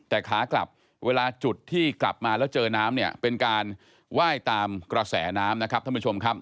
แต่ขากลับเวลาจุดที่กลับมาแล้วเจอน้ำเนี่ยเป็นการไหว้ตามกระแสน้ำนะครับท่านผู้ชมครับ